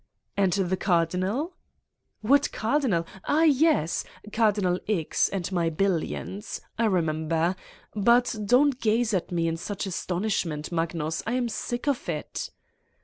" "And the Cardinal!" "What Cardinal? Ah, yes! ... Cardinal X. and my billions. I remember. But don 't gaze at me in such astonishment, Magnus. I am sick of it."